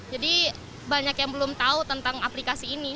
jadi banyak yang belum tahu tentang aplikasi ini